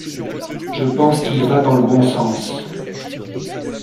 Je pense qu’il va dans le bon sens.